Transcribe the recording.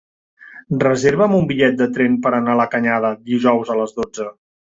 Reserva'm un bitllet de tren per anar a la Canyada dijous a les dotze.